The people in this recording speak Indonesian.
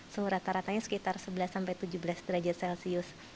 suhu rata ratanya sekitar sebelas tujuh belas derajat celcius